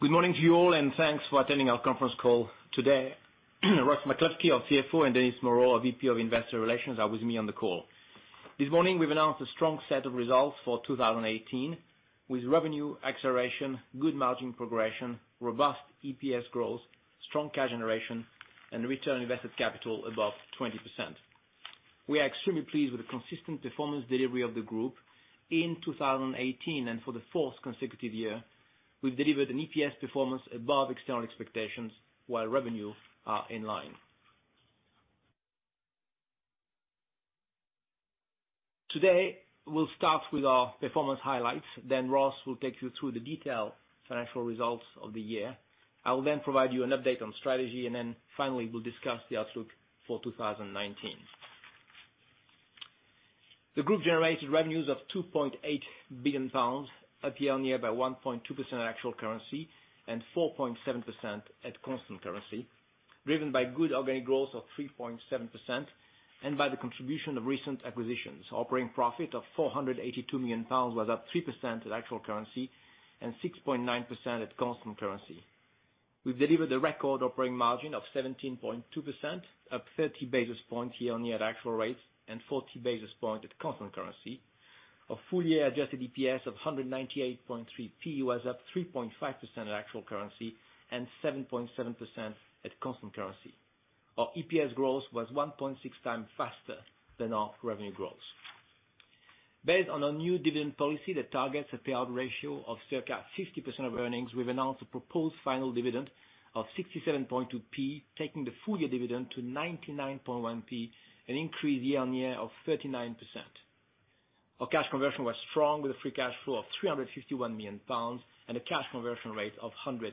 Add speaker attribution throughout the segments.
Speaker 1: Good morning to you all, and thanks for attending our conference call today. Ross McKelvie, our CFO, and Denis Moreau, our VP of Investor Relations, are with me on the call. This morning, we've announced a strong set of results for 2018, with revenue acceleration, good margin progression, robust EPS growth, strong cash generation, and return on invested capital above 20%. We are extremely pleased with the consistent performance delivery of the group in 2018. For the fourth consecutive year, we've delivered an EPS performance above external expectations while revenues are in line. We'll start with our performance highlights. Ross will take you through the detailed financial results of the year. I will then provide you an update on strategy. Finally, we'll discuss the outlook for 2019. The group generated revenues of 2.8 billion pounds, up year-on-year by 1.2% at actual currency and 4.7% at constant currency, driven by good organic growth of 3.7% and by the contribution of recent acquisitions. Operating profit of 482 million pounds was up 3% at actual currency and 6.9% at constant currency. We've delivered a record operating margin of 17.2%, up 30 basis points year-on-year at actual rates and 40 basis points at constant currency. Our full-year adjusted EPS of 1.983 was up 3.5% at actual currency and 7.7% at constant currency. Our EPS growth was 1.6 times faster than our revenue growth. Based on our new dividend policy that targets a payout ratio of circa 50% of earnings, we've announced a proposed final dividend of 0.672, taking the full-year dividend to 0.991, an increase year-on-year of 39%. Our cash conversion was strong with a free cash flow of 351 million pounds and a cash conversion rate of 126%.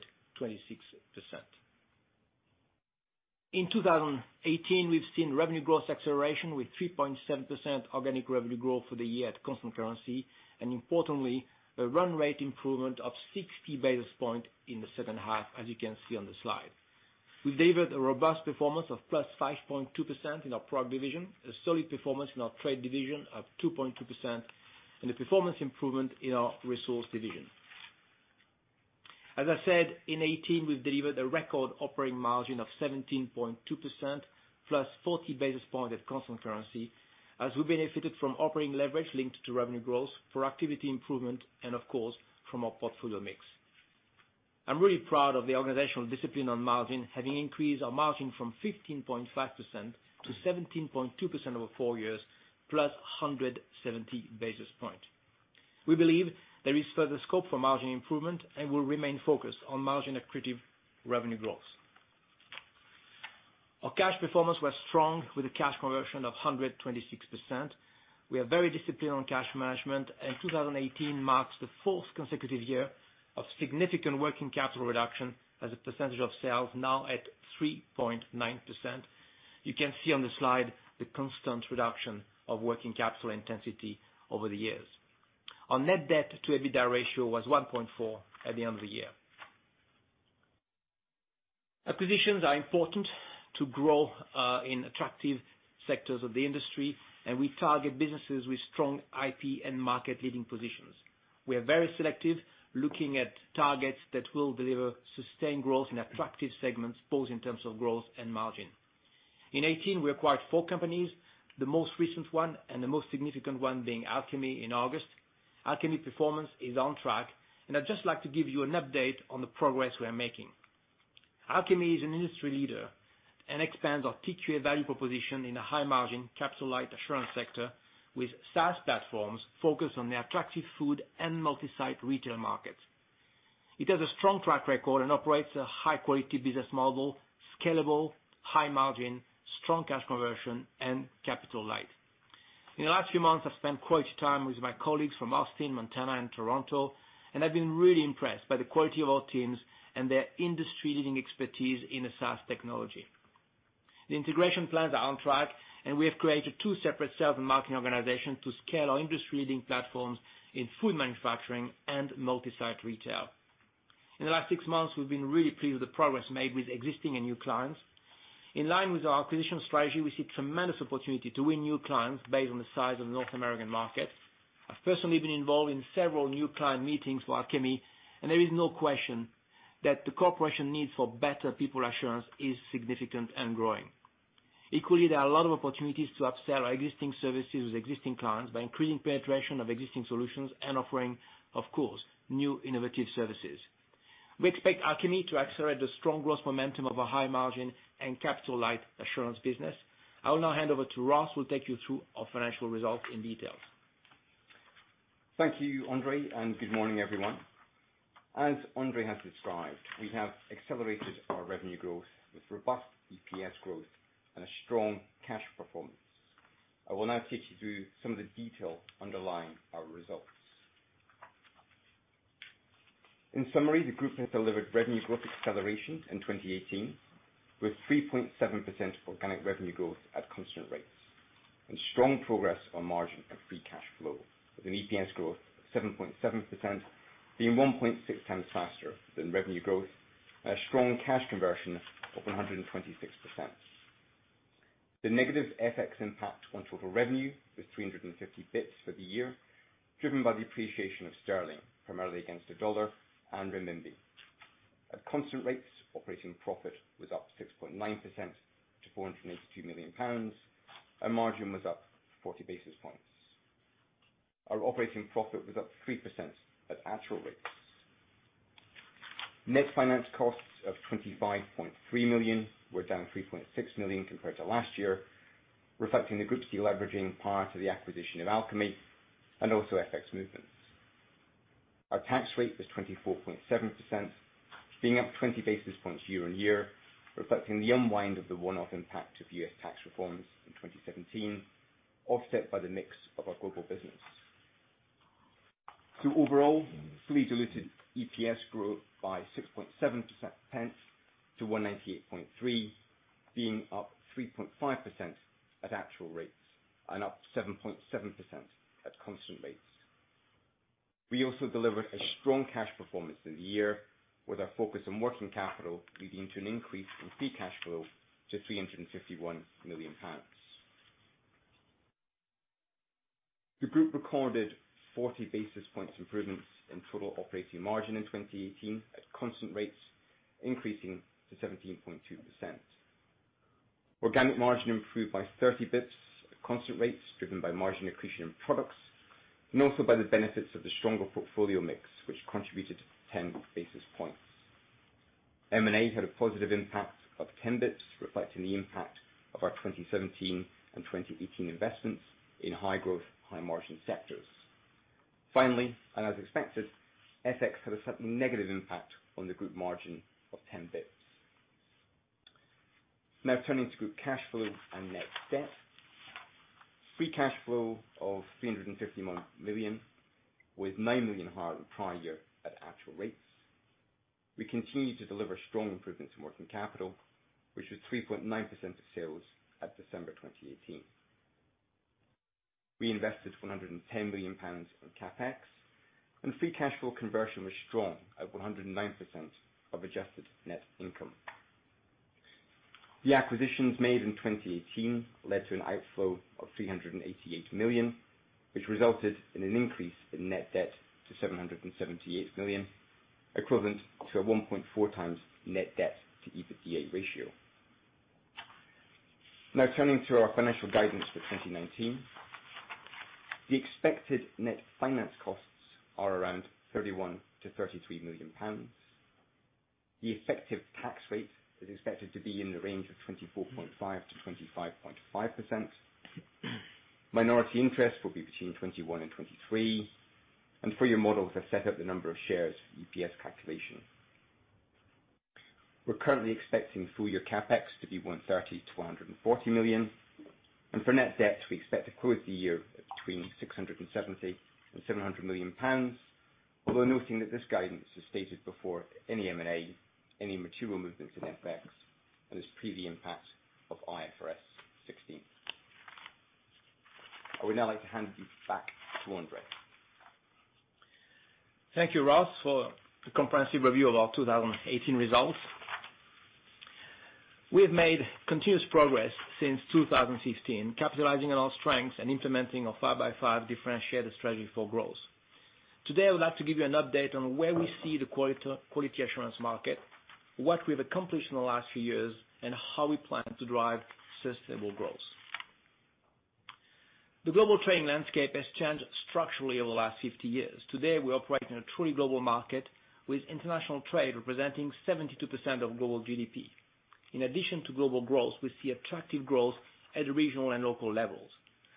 Speaker 1: In 2018, we've seen revenue growth acceleration with 3.7% organic revenue growth for the year at constant currency, importantly, a run rate improvement of 60 basis points in the second half, as you can see on the slide. We've delivered a robust performance of +5.2% in our product division, a solid performance in our trade division of 2.2%, and a performance improvement in our resource division. As I said, in 2018, we've delivered a record operating margin of 17.2%, +40 basis points at constant currency, as we benefited from operating leverage linked to revenue growth, productivity improvement, and of course, from our portfolio mix. I'm really proud of the organizational discipline on margin, having increased our margin from 15.5% to 17.2% over four years, +170 basis points. We believe there is further scope for margin improvement and will remain focused on margin-accretive revenue growth. Our cash performance was strong with a cash conversion of 126%. We are very disciplined on cash management, 2018 marks the fourth consecutive year of significant working capital reduction as a percentage of sales, now at 3.9%. You can see on the slide the constant reduction of working capital intensity over the years. Our net debt to EBITDA ratio was 1.4 at the end of the year. Acquisitions are important to grow in attractive sectors of the industry. We target businesses with strong IP and market-leading positions. We are very selective, looking at targets that will deliver sustained growth in attractive segments, both in terms of growth and margin. In 2018, we acquired four companies, the most recent one and the most significant one being Alchemy in August. Alchemy performance is on track, and I'd just like to give you an update on the progress we are making. Alchemy is an industry leader and expands our TQA value proposition in the high-margin, capital-light assurance sector with SaaS platforms focused on the attractive food and multi-site retail markets. It has a strong track record and operates a high-quality business model, scalable, high margin, strong cash conversion, and capital-light. In the last few months, I've spent quality time with my colleagues from Austin, Montana, and Toronto, and I've been really impressed by the quality of our teams and their industry-leading expertise in the SaaS technology. The integration plans are on track. We have created two separate sales and marketing organizations to scale our industry-leading platforms in food manufacturing and multi-site retail. In the last six months, we've been really pleased with the progress made with existing and new clients. In line with our acquisition strategy, we see tremendous opportunity to win new clients based on the size of the North American market. I've personally been involved in several new client meetings for Alchemy, and there is no question that the corporation need for better people assurance is significant and growing. Equally, there are a lot of opportunities to upsell our existing services with existing clients by increasing penetration of existing solutions and offering, of course, new innovative services. We expect Alchemy to accelerate the strong growth momentum of a high margin and capital-light assurance business. I will now hand over to Ross, who will take you through our financial results in detail.
Speaker 2: Thank you, André, and good morning, everyone. As André has described, we have accelerated our revenue growth with robust EPS growth and a strong cash performance. I will now take you through some of the detail underlying our results. In summary, the group has delivered revenue growth acceleration in 2018, with 3.7% organic revenue growth at constant rates and strong progress on margin and free cash flow, with an EPS growth of 7.7% being 1.6 times faster than revenue growth, and a strong cash conversion of 126%. The negative FX impact on total revenue was 350 basis points for the year, driven by the appreciation of sterling, primarily against the dollar and renminbi. At constant rates, operating profit was up 6.9% to 482 million pounds, and margin was up 40 basis points. Our operating profit was up 3% at actual rates. Net finance costs of 25.3 million were down 3.6 million compared to last year, reflecting the group's deleveraging prior to the acquisition of Alchemy and also FX movements. Our tax rate was 24.7%, up 20 basis points year-on-year, reflecting the unwind of the one-off impact of U.S. tax reforms in 2017, offset by the mix of our global business. Overall, fully diluted EPS grew by 6.7% to 1.983, up 3.5% at actual rates and up 7.7% at constant rates. We also delivered a strong cash performance in the year, with our focus on working capital leading to an increase in free cash flow to 351 million pounds. The group recorded 40 basis points improvements in total operating margin in 2018 at constant rates, increasing to 17.2%. Organic margin improved by 30 basis points at constant rates, driven by margin accretion in products, and also by the benefits of the stronger portfolio mix, which contributed 10 basis points. M&A had a positive impact of 10 basis points, reflecting the impact of our 2017 and 2018 investments in high growth, high margin sectors. As expected, FX had a certain negative impact on the group margin of 10 basis points. Turning to group cash flow and net debt. Free cash flow of 351 million, with 9 million higher than prior year at actual rates. We continue to deliver strong improvements in working capital, which was 3.9% of sales at December 2018. We invested 110 million pounds on CapEx, and free cash flow conversion was strong at 109% of adjusted net income. The acquisitions made in 2018 led to an outflow of 388 million, which resulted in an increase in net debt to 778 million, equivalent to a 1.4 times net debt to EBITDA ratio. Turning to our financial guidance for 2019. The expected net finance costs are around 31 million-33 million pounds. The effective tax rate is expected to be in the range of 24.5%-25.5%. Minority interest will be between 21 and 23. And for your models, I've set out the number of shares for the EPS calculation. We're currently expecting full year CapEx to be 130 million-140 million, and for net debts, we expect to close the year at between 670 million and 700 million pounds. Although noting that this guidance is stated before any M&A, any material movements in FX, and is pre the impact of IFRS 16. I would like to hand you back to André.
Speaker 1: Thank you, Ross, for the comprehensive review of our 2018 results. We have made continuous progress since 2016, capitalizing on our strengths and implementing our 5x5 differentiated strategy for growth. Today, I would like to give you an update on where we see the quality assurance market, what we've accomplished in the last few years, and how we plan to drive sustainable growth. The global trading landscape has changed structurally over the last 50 years. Today, we operate in a truly global market with international trade representing 72% of global GDP. In addition to global growth, we see attractive growth at regional and local levels.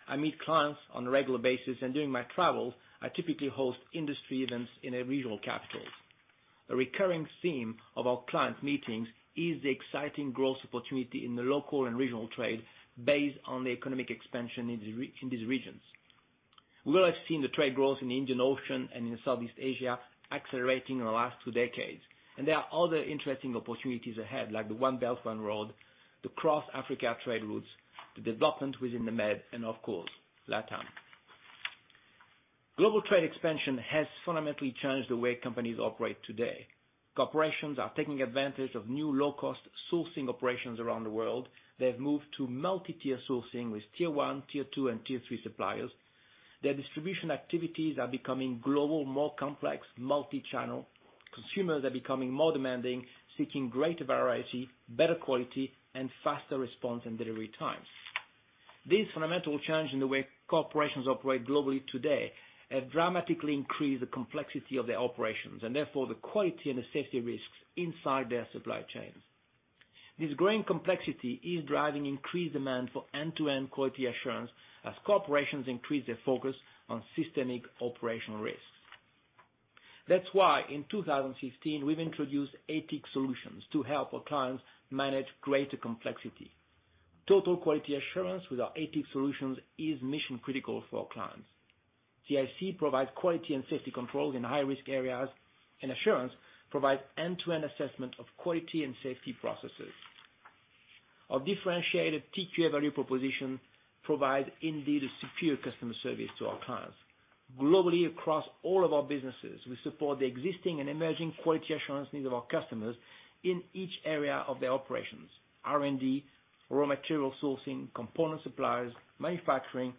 Speaker 1: I meet clients on a regular basis, and during my travels, I typically host industry events in their regional capitals. A recurring theme of our client meetings is the exciting growth opportunity in the local and regional trade based on the economic expansion in these regions. We will have seen the trade growth in the Indian Ocean and in Southeast Asia accelerating in the last two decades. There are other interesting opportunities ahead, like the One Belt One Road, the cross Africa trade routes, the development within the MED, and of course, LATAM. Global trade expansion has fundamentally changed the way companies operate today. Corporations are taking advantage of new low-cost sourcing operations around the world. They have moved to multi-tier sourcing with tier 1, tier 2, and tier 3 suppliers. Their distribution activities are becoming global, more complex, multi-channel. Consumers are becoming more demanding, seeking greater variety, better quality, and faster response and delivery times. These fundamental changes in the way corporations operate globally today have dramatically increased the complexity of their operations, and therefore the quality and safety risks inside their supply chains. This growing complexity is driving increased demand for end-to-end quality assurance as corporations increase their focus on systemic operational risks. That's why in 2016, we've introduced ATIC solutions to help our clients manage greater complexity. Total Quality Assurance with our ATIC solutions is mission critical for our clients. ATIC provides quality and safety controls in high-risk areas, and assurance provides end-to-end assessment of quality and safety processes. Our differentiated TQA value proposition provides indeed a superior customer service to our clients. Globally across all of our businesses, we support the existing and emerging quality assurance needs of our customers in each area of their operations: R&D, raw material sourcing, component supplies, manufacturing,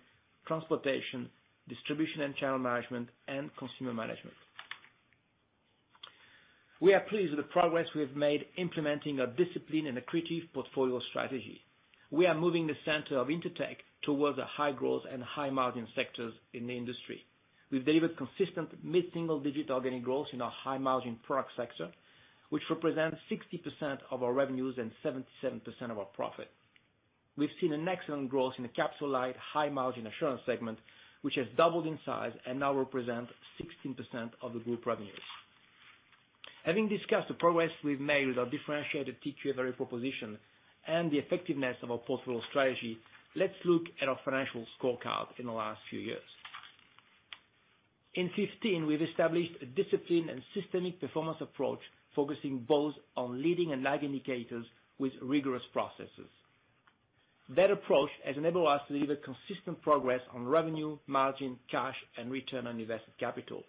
Speaker 1: transportation, distribution and channel management, and consumer management. We are pleased with the progress we have made implementing our discipline and accretive portfolio strategy. We are moving the center of Intertek towards the high growth and high margin sectors in the industry. We've delivered consistent mid-single digit organic growth in our high margin product sector, which represents 60% of our revenues and 77% of our profit. We've seen an excellent growth in the capital-light high margin assurance segment, which has doubled in size and now represents 16% of the group revenues. Having discussed the progress we've made with our differentiated TQA value proposition and the effectiveness of our portfolio strategy, let's look at our financial scorecard in the last few years. In 2015, we've established a disciplined and systemic performance approach focusing both on leading and lag indicators with rigorous processes. That approach has enabled us to deliver consistent progress on revenue, margin, cash, and return on invested capital.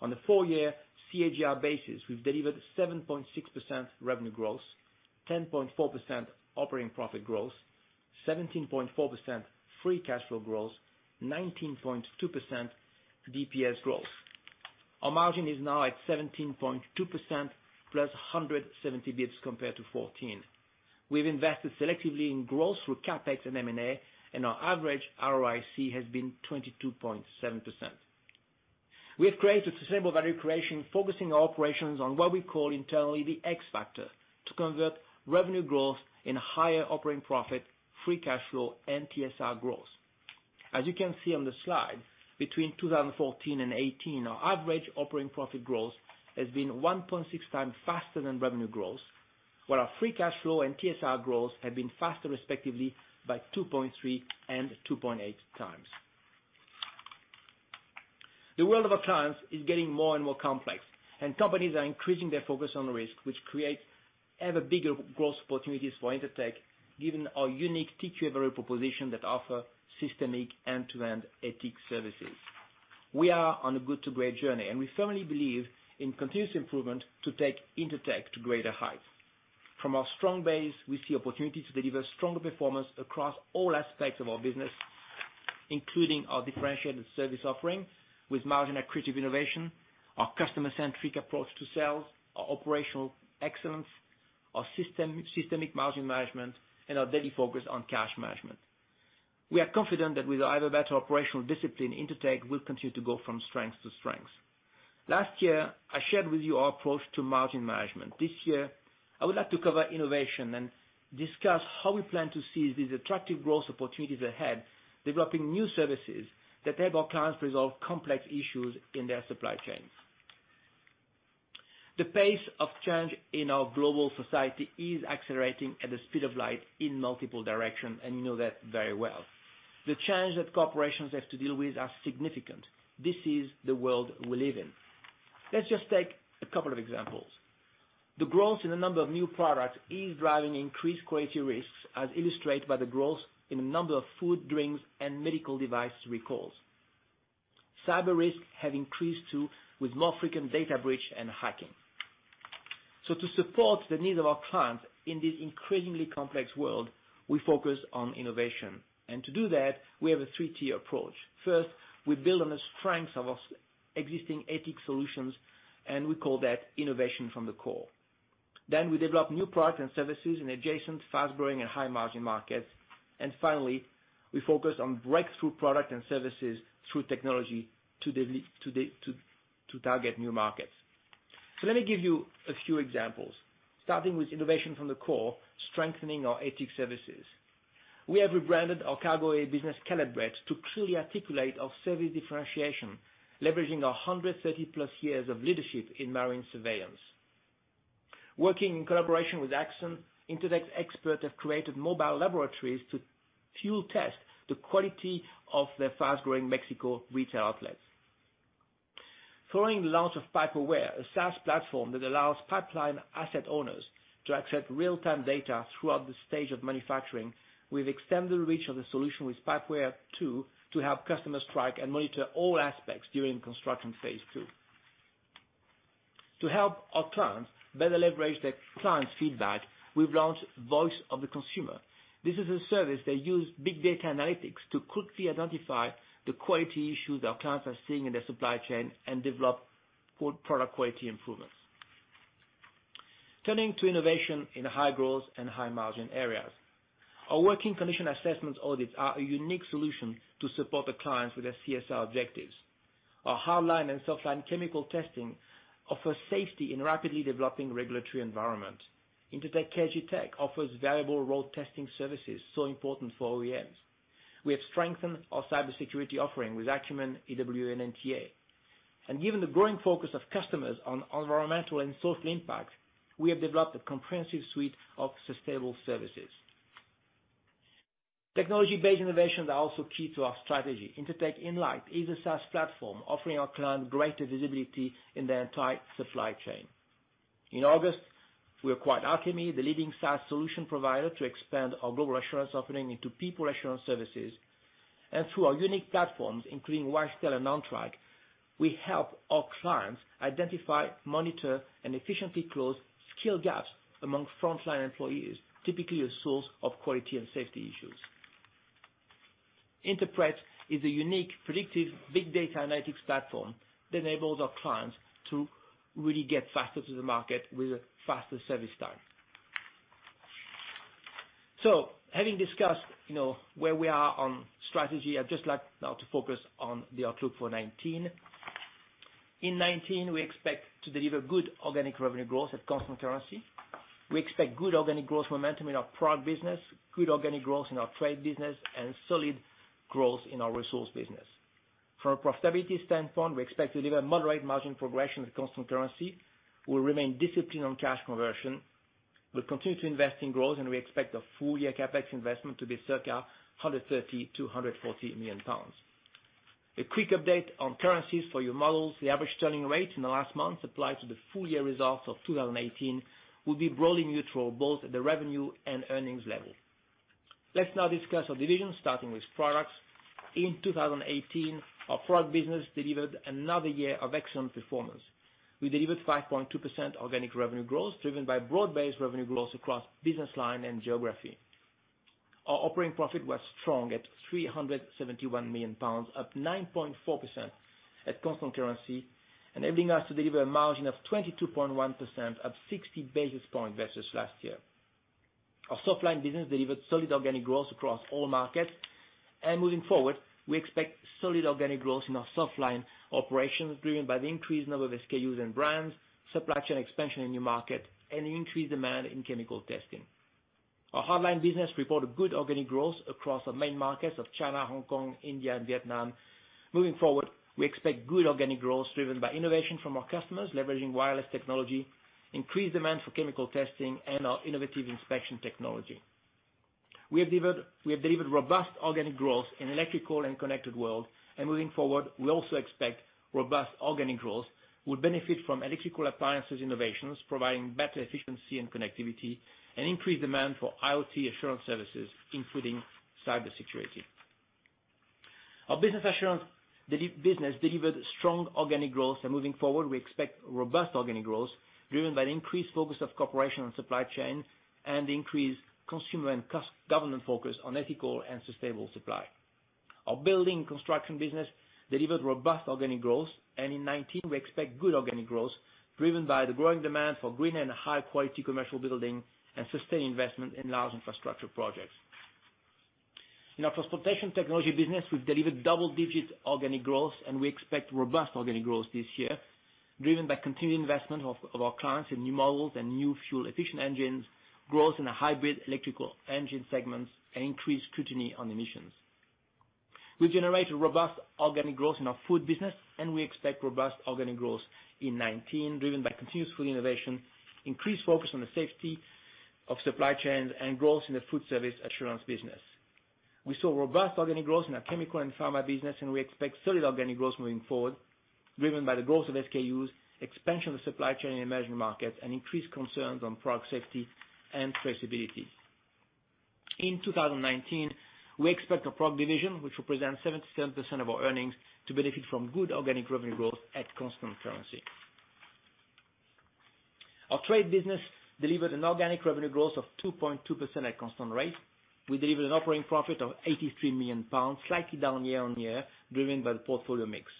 Speaker 1: On the 4-year CAGR basis, we've delivered 7.6% revenue growth, 10.4% operating profit growth, 17.4% free cash flow growth, 19.2% DPS growth. Our margin is now at 17.2% plus 170 basis points compared to 2014. We've invested selectively in growth through CapEx and M&A, and our average ROIC has been 22.7%. We have created a sustainable value creation, focusing our operations on what we call internally the x factor to convert revenue growth in higher operating profit, free cash flow, and TSR growth. As you can see on the slide, between 2014 and 2018, our average operating profit growth has been 1.6 times faster than revenue growth, while our free cash flow and TSR growth have been faster, respectively, by 2.3 and 2.8 times. The world of our clients is getting more and more complex, and companies are increasing their focus on risk, which creates ever bigger growth opportunities for Intertek, given our unique TQA value proposition that offer systemic end-to-end ATIC services. We are on a good to great journey, and we firmly believe in continuous improvement to take Intertek to greater heights. From our strong base, we see opportunity to deliver stronger performance across all aspects of our business, including our differentiated service offering with margin accretive innovation, our customer-centric approach to sales, our operational excellence, our systemic margin management, and our daily focus on cash management. We are confident that with our better operational discipline, Intertek will continue to go from strength to strength. Last year, I shared with you our approach to margin management. This year, I would like to cover innovation and discuss how we plan to seize these attractive growth opportunities ahead, developing new services that help our clients resolve complex issues in their supply chains. The pace of change in our global society is accelerating at the speed of light in multiple directions, and you know that very well. The change that corporations have to deal with are significant. This is the world we live in. Let's just take a couple of examples. The growth in the number of new products is driving increased quality risks, as illustrated by the growth in the number of food, drinks, and medical device recalls. Cyber risks have increased, too, with more frequent data breach and hacking. To support the needs of our clients in this increasingly complex world, we focus on innovation. To do that, we have a 3-tier approach. First, we build on the strengths of our existing ATIC solutions, and we call that innovation from the core. We develop new products and services in adjacent, fast-growing, and high-margin markets. Finally, we focus on breakthrough products and services through technology to target new markets. Let me give you a few examples. Starting with innovation from the core, strengthening our ATIC services. We have rebranded our cargo business, Caleb Brett, to clearly articulate our service differentiation, leveraging our 130-plus years of leadership in marine surveillance. Working in collaboration with Axon, Intertek experts have created mobile laboratories to field-test the quality of their fast-growing Mexico retail outlets. Following the launch of Pipe-Aware, a SaaS platform that allows pipeline asset owners to access real-time data throughout the stage of manufacturing, we've extended the reach of the solution with Pipe-Aware 2 to help customers track and monitor all aspects during construction phase 2. To help our clients better leverage their clients' feedback, we've launched Voice of the Consumer. This is a service that uses big data analytics to quickly identify the quality issues our clients are seeing in their supply chain and develop product quality improvements. Turning to innovation in high-growth and high-margin areas. Our working condition assessment audits are a unique solution to support the clients with their CSR objectives. Our hardline and softline chemical testing offers safety in a rapidly developing regulatory environment. Intertek KJ Tech offers valuable road testing services so important for OEMs. We have strengthened our cybersecurity offering with Acumen, EWA, and NTA. Given the growing focus of customers on environmental and social impact, we have developed a comprehensive suite of sustainable services. Technology-based innovations are also key to our strategy. Intertek Inlight is a SaaS platform offering our client greater visibility in their entire supply chain. In August, we acquired Alchemy, the leading SaaS solution provider, to expand our global assurance offering into people assurance services. Through our unique platforms, including Wisetail and OnTrack, we help our clients identify, monitor, and efficiently close skill gaps among frontline employees, typically a source of quality and safety issues. Intertek Interpret is a unique, predictive big data analytics platform that enables our clients to really get faster to the market with a faster service time. Having discussed where we are on strategy, I'd just like now to focus on the outlook for 2019. In 2019, we expect to deliver good organic revenue growth at constant currency. We expect good organic growth momentum in our product business, good organic growth in our trade business, and solid growth in our resource business. From a profitability standpoint, we expect to deliver moderate margin progression at constant currency. We'll remain disciplined on cash conversion. We'll continue to invest in growth, and we expect our full year CapEx investment to be circa 130 million pounds to 140 million pounds. A quick update on currencies for your models. The average sterling rate in the last month applied to the full year results of 2018 will be broadly neutral, both at the revenue and earnings level. Let's now discuss our divisions, starting with products. In 2018, our product business delivered another year of excellent performance. We delivered 5.2% organic revenue growth, driven by broad-based revenue growth across business line and geography. Our operating profit was strong at 371 million pounds, up 9.4% at constant currency, enabling us to deliver a margin of 22.1% at 60 basis points versus last year. Our softline business delivered solid organic growth across all markets. Moving forward, we expect solid organic growth in our softline operations, driven by the increased number of SKUs and brands, supply chain expansion in new market, and increased demand in chemical testing. Our hardline business reported good organic growth across our main markets of China, Hong Kong, India, and Vietnam. Moving forward, we expect good organic growth driven by innovation from our customers, leveraging wireless technology, increased demand for chemical testing, and our innovative inspection technology. We have delivered robust organic growth in electrical and connected world. Moving forward, we also expect robust organic growth will benefit from electrical appliances innovations providing better efficiency and connectivity and increased demand for IoT assurance services, including cybersecurity. Our business assurance business delivered strong organic growth. Moving forward, we expect robust organic growth driven by the increased focus of corporation on supply chain and increased consumer and government focus on ethical and sustainable supply. Our building construction business delivered robust organic growth. In 2019, we expect good organic growth driven by the growing demand for green and high quality commercial building and sustained investment in large infrastructure projects. In our transportation technology business, we have delivered double-digit organic growth, and we expect robust organic growth this year, driven by continued investment of our clients in new models and new fuel efficient engines, growth in the hybrid electrical engine segments, and increased scrutiny on emissions. We generated robust organic growth in our food business. We expect robust organic growth in 2019, driven by continuous food innovation, increased focus on the safety of supply chains, and growth in the food service assurance business. We saw robust organic growth in our chemical and pharma business. We expect solid organic growth moving forward, driven by the growth of SKUs, expansion of supply chain in emerging markets, and increased concerns on product safety and traceability. In 2019, we expect our product division, which represents 77% of our earnings, to benefit from good organic revenue growth at constant currency. Our trade business delivered an organic revenue growth of 2.2% at constant rate. We delivered an operating profit of 83 million pounds, slightly down year-on-year, driven by the portfolio mix.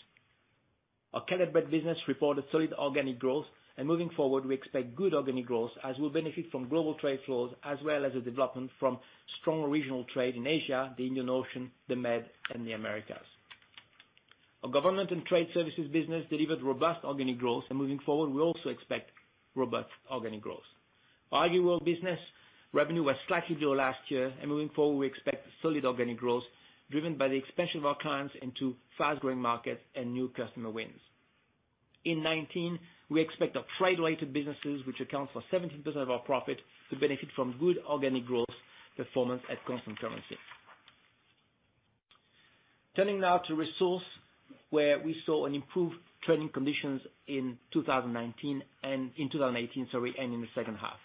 Speaker 1: Our Caleb Brett business reported solid organic growth. Moving forward, we expect good organic growth as we will benefit from global trade flows as well as the development from strong regional trade in Asia, the Indian Ocean, the Med, and the Americas. Our government and trade services business delivered robust organic growth. Moving forward, we also expect robust organic growth. Our AgriWorld business revenue was slightly below last year. Moving forward, we expect solid organic growth driven by the expansion of our clients into fast-growing markets and new customer wins. In 2019, we expect our trade-related businesses, which account for 17% of our profit, to benefit from good organic growth performance at constant currency. Turning now to resource, where we saw an improved trading conditions in 2019 in 2018, sorry, and in the second half.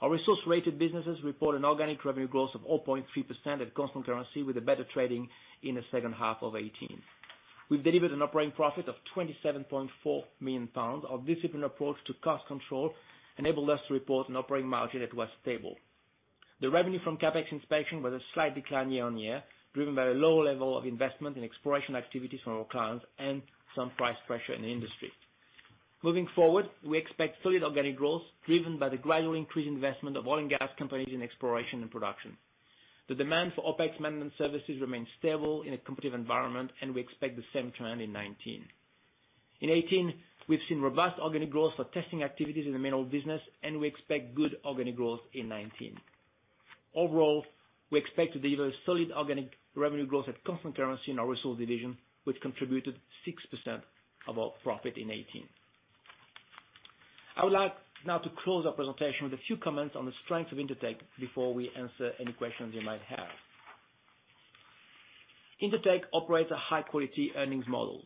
Speaker 1: Our resource-related businesses report an organic revenue growth of 0.3% at constant currency with a better trading in the second half of 2018. We have delivered an operating profit of 27.4 million pounds. Our disciplined approach to cost control enabled us to report an operating margin that was stable. The revenue from CapEx inspection was a slight decline year-on-year, driven by a lower level of investment in exploration activities from our clients and some price pressure in the industry. Moving forward, we expect solid organic growth driven by the gradual increased investment of oil and gas companies in exploration and production. The demand for OpEx management services remains stable in a competitive environment. We expect the same trend in 2019. In 2018, we have seen robust organic growth for testing activities in the mineral business. We expect good organic growth in 2019. Overall, we expect to deliver solid organic revenue growth at constant currency in our resource division, which contributed 6% of our profit in 2018. I would like now to close our presentation with a few comments on the strength of Intertek before we answer any questions you might have. Intertek operates a high-quality earnings model.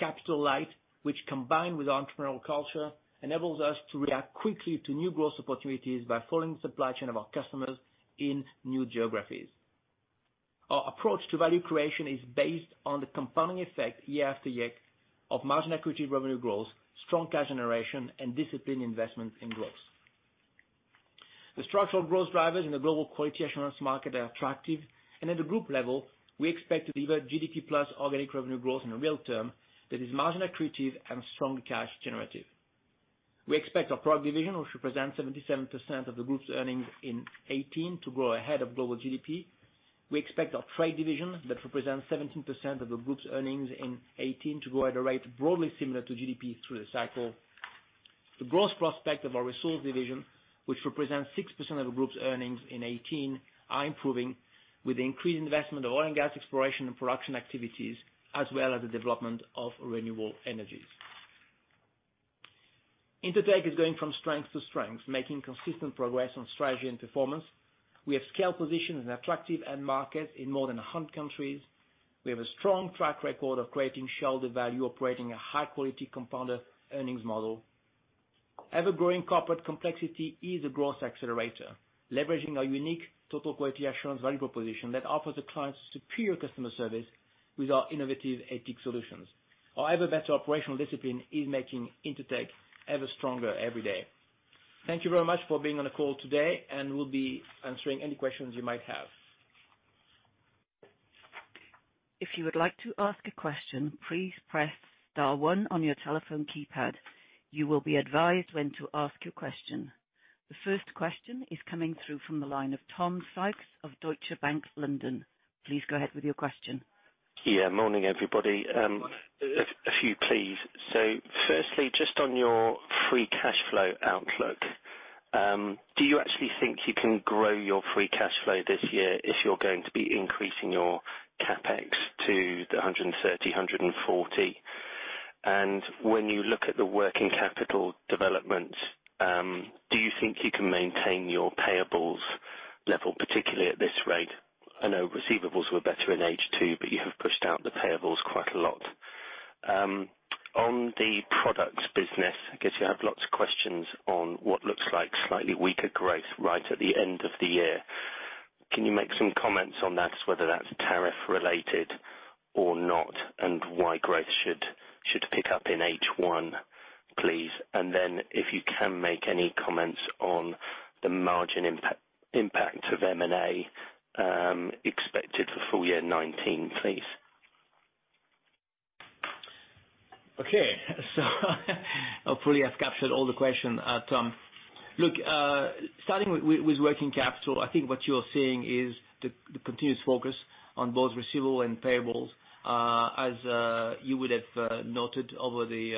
Speaker 1: Capital-light, which combined with entrepreneurial culture, enables us to react quickly to new growth opportunities by following the supply chain of our customers in new geographies. Our approach to value creation is based on the compounding effect year after year of margin accretive revenue growth, strong cash generation, and disciplined investment in growth. The structural growth drivers in the global quality assurance market are attractive, and at the group level, we expect to deliver GDP plus organic revenue growth in real term that is margin accretive and strongly cash generative. We expect our product division, which represents 77% of the group's earnings in 2018 to grow ahead of global GDP. We expect our trade division that represents 17% of the group's earnings in 2018 to grow at a rate broadly similar to GDP through the cycle. The growth prospect of our resource division, which represents 6% of the group's earnings in 2018, are improving with the increased investment of oil and gas exploration and production activities, as well as the development of renewable energies. Intertek is going from strength to strength, making consistent progress on strategy and performance. We have scale positions in attractive end markets in more than 100 countries. We have a strong track record of creating shareholder value, operating a high-quality compounder earnings model. Ever-growing corporate complexity is a growth accelerator, leveraging our unique total quality assurance value proposition that offers the clients superior customer service with our innovative ATIC solutions. Our ever better operational discipline is making Intertek ever stronger every day. Thank you very much for being on the call today. We'll be answering any questions you might have.
Speaker 3: If you would like to ask a question, please press star one on your telephone keypad. You will be advised when to ask your question. The first question is coming through from the line of Tom Sykes of Deutsche Bank, London. Please go ahead with your question.
Speaker 4: Morning, everybody. A few, please. Firstly, just on your free cash flow outlook, do you actually think you can grow your free cash flow this year if you're going to be increasing your CapEx to the 130 million-140 million? When you look at the working capital development, do you think you can maintain your payables level, particularly at this rate? I know receivables were better in H2, but you have pushed out the payables quite a lot. On the products business, I guess you have lots of questions on what looks like slightly weaker growth right at the end of the year. Can you make some comments on that, whether that's tariff related or not, and why growth should pick up in H1, please? Then if you can make any comments on the margin impact of M&A, expected for full year 2019, please.
Speaker 1: Hopefully I've captured all the question, Tom. Starting with working capital, I think what you're seeing is the continuous focus on both receivable and payables. As you would have noted over the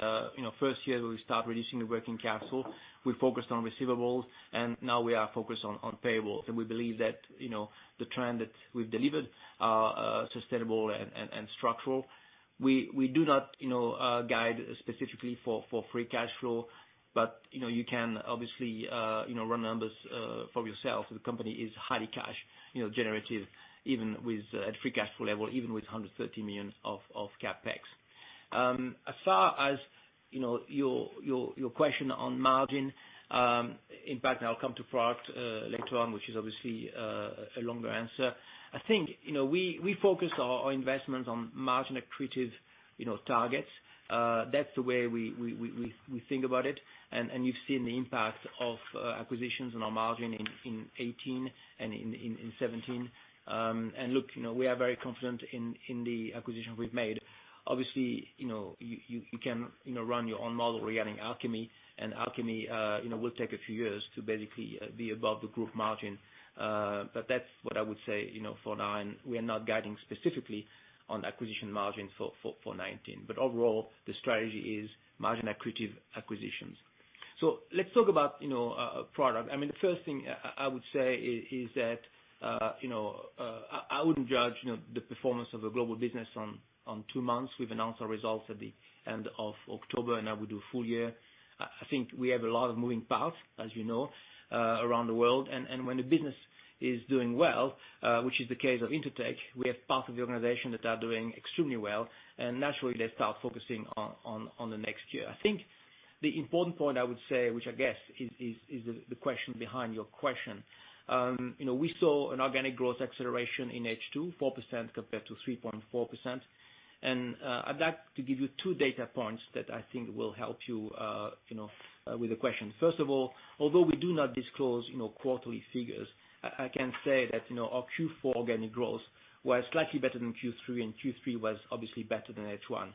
Speaker 1: first year, we start reducing the working capital. We focused on receivables, and now we are focused on payables. We believe that the trend that we've delivered are sustainable and structural. We do not guide specifically for free cash flow, but you can obviously run numbers for yourself. The company is highly cash generative even with a free cash flow level, even with 130 million of CapEx. As far as your question on margin, in fact, I'll come to product later on, which is obviously a longer answer. I think we focus our investments on margin accretive targets. That's the way we think about it, you've seen the impact of acquisitions on our margin in 2018 and in 2017. We are very confident in the acquisition we've made. Obviously, you can run your own model regarding Alchemy. Alchemy will take a few years to basically be above the group margin. That's what I would say, for now, we are not guiding specifically on acquisition margin for 2019. Overall, the strategy is margin accretive acquisitions. Let's talk about product. The first thing I would say is that, I wouldn't judge the performance of a global business on two months. We've announced our results at the end of October, and I would do full year. I think we have a lot of moving parts, as you know, around the world. When the business is doing well, which is the case of Intertek, we have parts of the organization that are doing extremely well, and naturally they start focusing on the next year. I think the important point I would say, which I guess is the question behind your question. We saw an organic growth acceleration in H2, 4% compared to 3.4%. I'd like to give you two data points that I think will help you with the question. First of all, although we do not disclose quarterly figures, I can say that our Q4 organic growth was slightly better than Q3, and Q3 was obviously better than H1.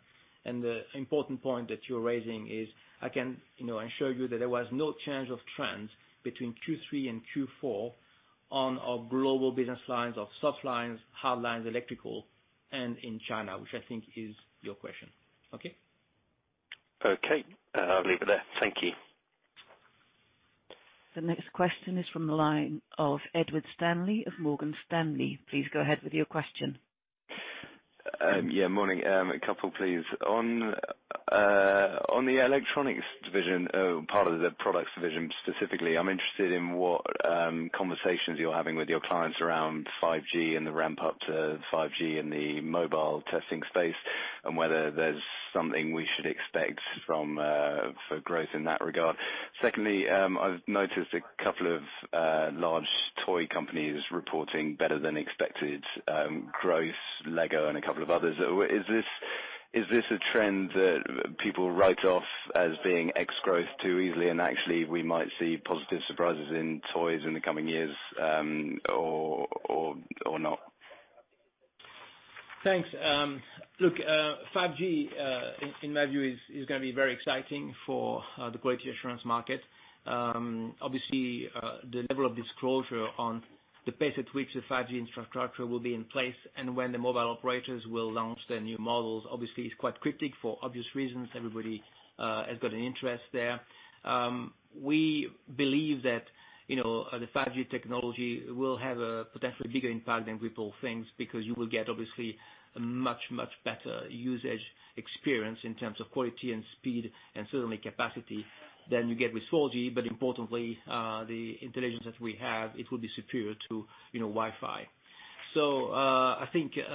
Speaker 1: The important point that you're raising is I can assure you that there was no change of trends between Q3 and Q4 on our global business lines of soft lines, hard lines, electrical, and in China, which I think is your question. Okay?
Speaker 4: Okay. I'll leave it there. Thank you.
Speaker 3: The next question is from the line of Ed Stanley of Morgan Stanley. Please go ahead with your question.
Speaker 5: Yeah, morning. A couple, please. On the electronics division, part of the products division specifically, I'm interested in what conversations you're having with your clients around 5G and the ramp up to 5G in the mobile testing space, and whether there's something we should expect for growth in that regard. Secondly, I've noticed a couple of large toy companies reporting better than expected growth, Lego and a couple of others. Is this a trend that people write off as being ex-growth too easily and actually we might see positive surprises in toys in the coming years, or not?
Speaker 1: Thanks. Look, 5G, in my view, is going to be very exciting for the quality assurance market. Obviously, the level of disclosure on the pace at which the 5G infrastructure will be in place and when the mobile operators will launch their new models obviously is quite cryptic for obvious reasons. Everybody has got an interest there. We believe that the 5G technology will have a potentially bigger impact than people think, because you will get obviously a much, much better usage experience in terms of quality and speed, and certainly capacity than you get with 4G. Importantly, the intelligence that we have, it will be superior to Wi-Fi. I think it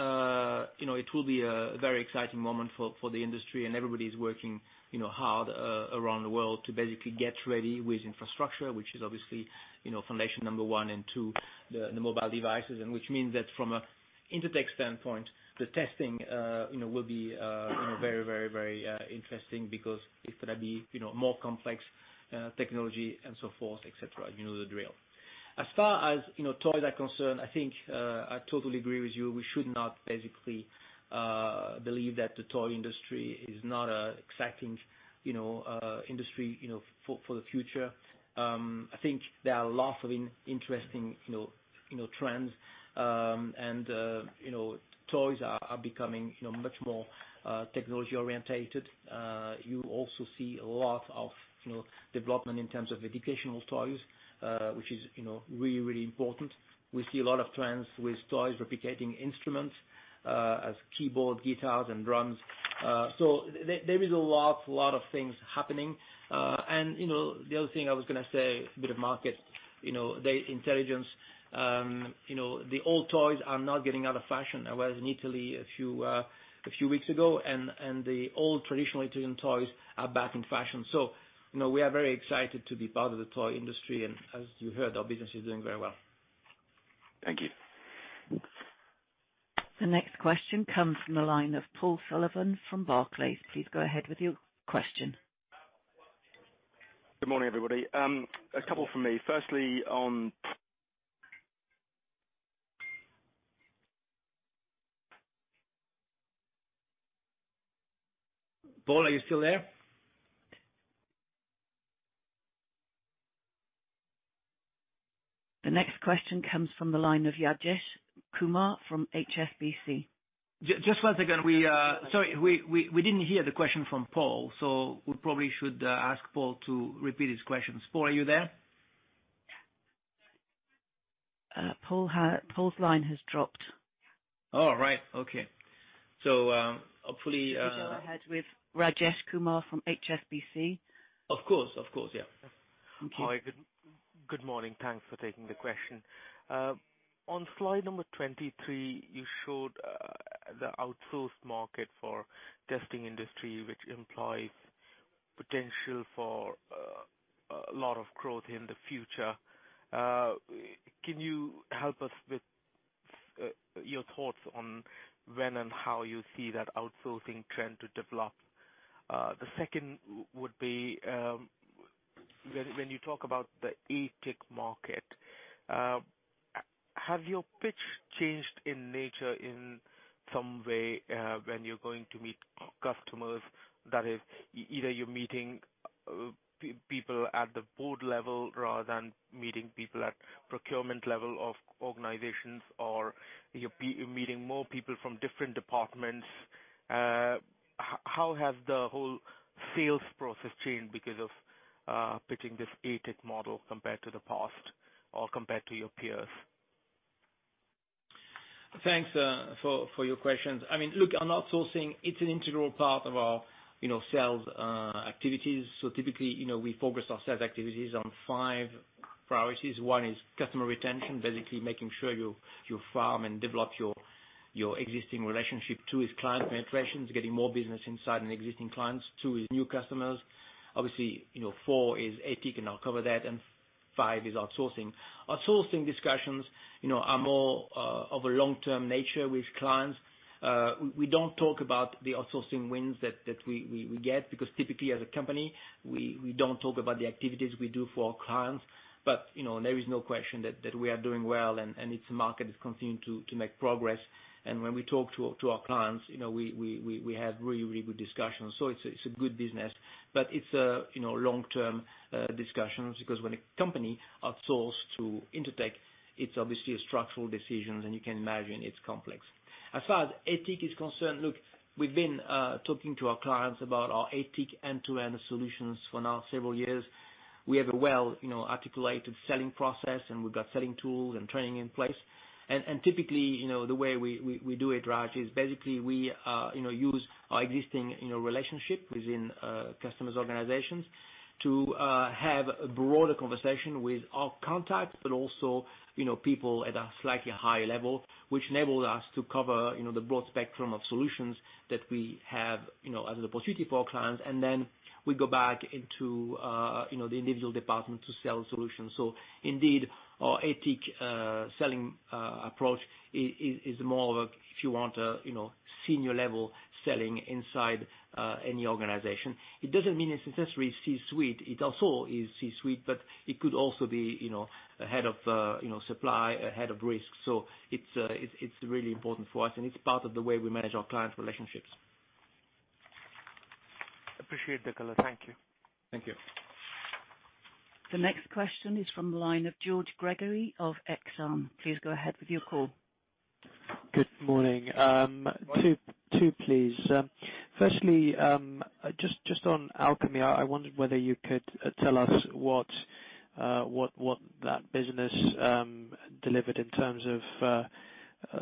Speaker 1: will be a very exciting moment for the industry and everybody's working hard around the world to basically get ready with infrastructure, which is obviously foundation number 1, and 2, the mobile devices. Which means that from an Intertek standpoint, the testing will be very interesting because it's going to be more complex technology and so forth, et cetera. You know the drill. As far as toys are concerned, I think I totally agree with you. We should not basically believe that the toy industry is not an exciting industry for the future. I think there are lots of interesting trends, and toys are becoming much more technology-orientated. You also see a lot of development in terms of educational toys, which is really important. We see a lot of trends with toys replicating instruments, as keyboard, guitars, and drums. There is a lot of things happening. The other thing I was going to say, a bit of market intelligence. The old toys are now getting out of fashion. I was in Italy a few weeks ago, the old traditional Italian toys are back in fashion. We are very excited to be part of the toy industry, and as you heard, our business is doing very well.
Speaker 5: Thank you.
Speaker 3: The next question comes from the line of Paul Sullivan from Barclays. Please go ahead with your question.
Speaker 6: Good morning, everybody. A couple from me. Firstly, on
Speaker 1: Paul, are you still there?
Speaker 3: The next question comes from the line of Rajesh Kumar from HSBC.
Speaker 1: Just one second. Sorry, we didn't hear the question from Paul, we probably should ask Paul to repeat his questions. Paul, are you there?
Speaker 3: Paul's line has dropped.
Speaker 1: All right. Okay.
Speaker 3: We go ahead with Rajesh Kumar from HSBC.
Speaker 1: Of course, yeah.
Speaker 3: Thank you.
Speaker 7: Hi. Good morning. Thanks for taking the question. On slide number 23, you showed the outsourced market for testing industry, which implies potential for a lot of growth in the future. Can you help us with your thoughts on when and how you see that outsourcing trend to develop? The second would be, when you talk about the ATIC market, have your pitch changed in nature in some way, when you're going to meet customers? That is, either you're meeting people at the board level rather than meeting people at procurement level of organizations, or you're meeting more people from different departments. How has the whole sales process changed because of pitching this ATIC model compared to the past or compared to your peers?
Speaker 1: Thanks for your questions. Look, on outsourcing, it's an integral part of our sales activities. Typically, we focus our sales activities on five priorities. One is customer retention. Basically making sure you farm and develop your existing relationship. Two is client penetrations, getting more business inside an existing clients. Two is new customers. Obviously, four is ATIC, and I'll cover that, and five is outsourcing. Outsourcing discussions are more of a long-term nature with clients. We don't talk about the outsourcing wins that we get, because typically as a company, we don't talk about the activities we do for our clients. There is no question that we are doing well, and its market is continuing to make progress. When we talk to our clients, we have really good discussions. It's a good business, but it's long-term discussions, because when a company outsources to Intertek, it's obviously a structural decision, and you can imagine it's complex. As far as ATIC is concerned, look, we've been talking to our clients about our ATIC end-to-end solutions for now several years. We have a well-articulated selling process, and we've got selling tools and training in place. Typically, the way we do it, Raj, is basically we use our existing relationship within customers' organizations to have a broader conversation with our contacts, but also, people at a slightly higher level, which enables us to cover the broad spectrum of solutions that we have as an opportunity for our clients, and then we go back into the individual department to sell solutions. Indeed, our ATIC selling approach is more of a senior level selling inside any organization. It doesn't mean it's necessarily C-suite. It also is C-suite, but it could also be a head of supply, a head of risk. It's really important for us, and it's part of the way we manage our client relationships.
Speaker 7: Appreciate the color. Thank you.
Speaker 1: Thank you.
Speaker 3: The next question is from the line of George Gregory of Exane. Please go ahead with your call.
Speaker 8: Good morning. Two please. Firstly, just on Alchemy, I wondered whether you could tell us what that business delivered in terms of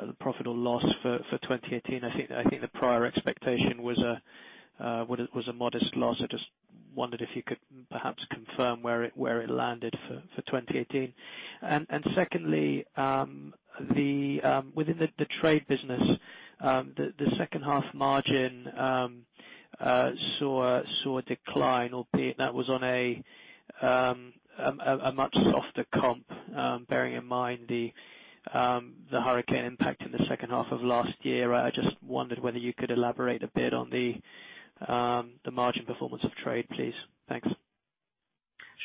Speaker 8: the profit or loss for 2018. I think the prior expectation was a modest loss. I just wondered if you could perhaps confirm where it landed for 2018. Secondly, within the trade business, the second half margin saw a decline, albeit that was on a much softer comp. Bearing in mind the hurricane impact in the second half of last year, I just wondered whether you could elaborate a bit on the margin performance of trade, please. Thanks.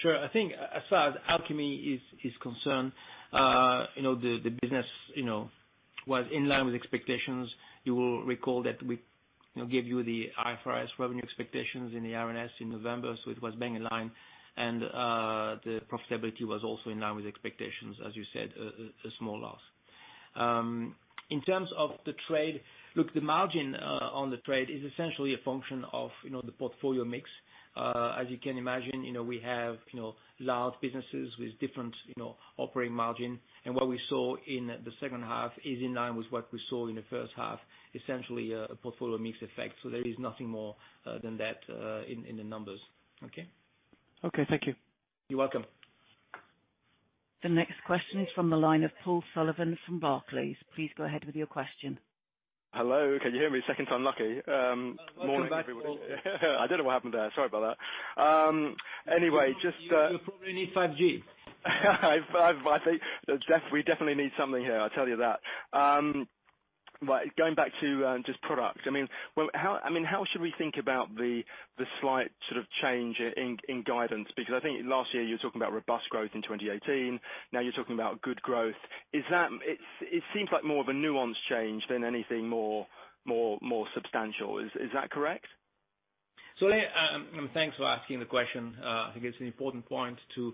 Speaker 1: Sure. I think as far as Alchemy is concerned, the business was in line with expectations. You will recall that we gave you the IFRS revenue expectations in the RNS in November, so it was bang in line. The profitability was also in line with expectations, as you said, a small loss. In terms of the trade. Look, the margin on the trade is essentially a function of the portfolio mix. As you can imagine, we have large businesses with different operating margin. What we saw in the second half is in line with what we saw in the first half, essentially a portfolio mix effect. There is nothing more than that in the numbers. Okay?
Speaker 8: Okay. Thank you.
Speaker 1: You're welcome.
Speaker 3: The next question is from the line of Paul Sullivan from Barclays. Please go ahead with your question.
Speaker 6: Hello, can you hear me? Second time lucky. Morning, everybody.
Speaker 1: Welcome back, Paul.
Speaker 6: I don't know what happened there. Sorry about that. Anyway, just-
Speaker 1: You probably need 5G.
Speaker 6: We definitely need something here, I tell you that. Going back to just product, how should we think about the slight sort of change in guidance? I think last year you were talking about robust growth in 2018. Now you're talking about good growth. It seems like more of a nuanced change than anything more substantial. Is that correct?
Speaker 1: Thanks for asking the question. I think it's an important point to